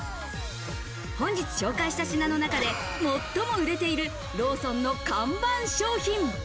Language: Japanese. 本日紹介した品の中で最も売れているローソンの看板商品。